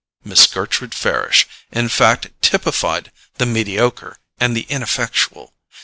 Miss Gertrude Farish, in fact, typified the mediocre and the ineffectual.